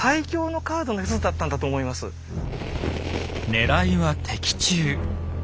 ねらいは的中。